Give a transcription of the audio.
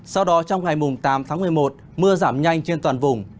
sau đó trong ngày tám tháng một mươi một mưa giảm nhanh trên toàn vùng